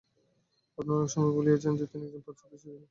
আপনারা অনেক সময় ভুলিয়া যান যে, তিনি একজন প্রাচ্যদেশীয় ছিলেন।